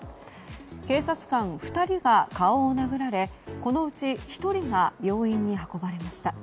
警察官２人が顔を殴られこのうち１人が病院に運ばれました。